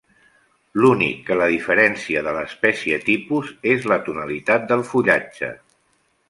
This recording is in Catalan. L'únic que la diferencia de l'espècie tipus és la tonalitat del fullatge.